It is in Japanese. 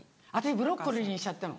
ブロッコリーしちゃったの？